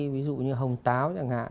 ví dụ như hồng táo chẳng hạn